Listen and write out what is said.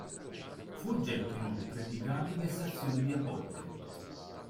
Fu oggetto inoltre di gravi vessazioni diaboliche.